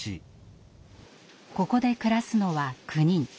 ここで暮らすのは９人。